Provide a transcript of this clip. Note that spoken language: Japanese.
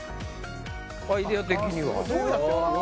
アイディア的には。